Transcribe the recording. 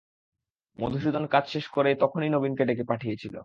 মধুসূদন কাজ শেষ করে তখনই নবীনকে ডেকে পাঠিয়েছিল।